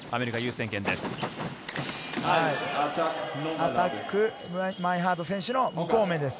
アタック、マインハート選手の無効面です。